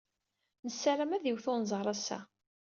Nessaram ad iwet unẓar ass-a.